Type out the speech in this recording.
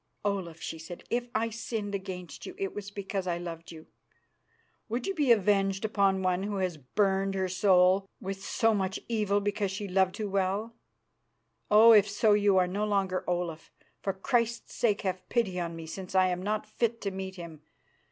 "Olaf," she said, "if I sinned against you it was because I loved you. Would you be avenged upon one who has burned her soul with so much evil because she loved too well? Oh! if so, you are no longer Olaf. For Christ's sake have pity on me, since I am not fit to meet Him.